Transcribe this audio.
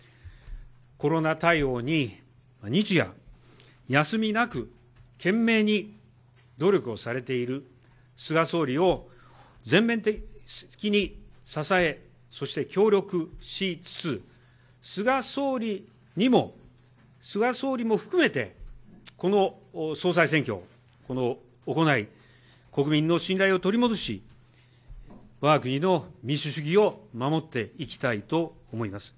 コロナ対応に日夜休みなく、懸命に努力をされている菅総理を全面的に支え、そして協力しつつ、菅総理にも、菅総理も含めて、この総裁選挙、これを行い、国民の信頼を取り戻し、わが国の民主主義を守っていきたいと思います。